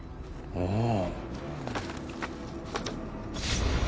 ああ。